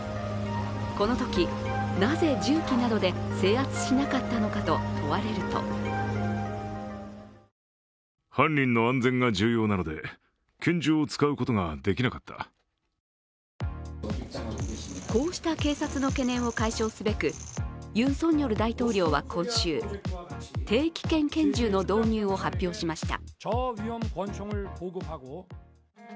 このとき、なぜ銃器などで制圧しなかったのかと問われるとこうした警察の懸念を解消すべくユン・ソンニョル大統領は今週、低危険拳銃の導入を発表しました。